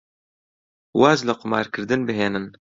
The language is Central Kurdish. واز لە قومارکردن بهێنن.